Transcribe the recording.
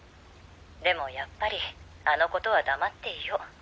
でもやっぱりあの事は黙っていよう。